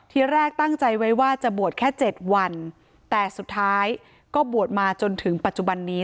ทีแรกตั้งใจไว้ว่าจะบวชแค่๗วันแต่สุดท้ายก็บวชมาจนถึงปัจจุบันนี้